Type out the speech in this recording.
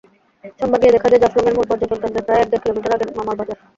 সোমবার গিয়ে দেখা যায়, জাফলংয়ের মূল পর্যটন কেন্দ্রের প্রায় এক-দেড় কিলোমিটার আগে মামারবাজার।